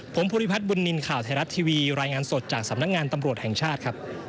ผมภูริพัฒนบุญนินทร์ข่าวไทยรัฐทีวีรายงานสดจากสำนักงานตำรวจแห่งชาติครับ